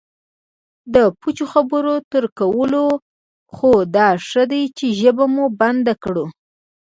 د پوچو خبرو تر کولو خو دا ښه دی چې ژبه مو بندي کړو